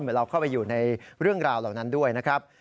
เราเข้าไปอยู่ในเรื่องราวเหล่านั้นด้วยนะครับ